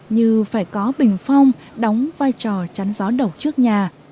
như phải có bình phong đóng vai trò chắn gió đầu trước nhà